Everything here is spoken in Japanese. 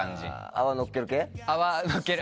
泡のっける。